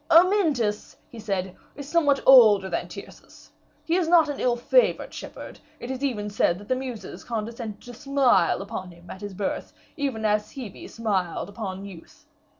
"Amyntas," he said, "is somewhat older than Tyrcis; he is not an ill favored shepherd; it is even said that the muses condescended to smile upon him at his birth, even as Hebe smiled upon youth.